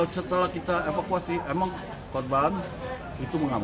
setelah kita evakuasi emang korban itu mengamuk